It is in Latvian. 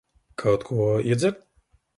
Kaut ko iedzert?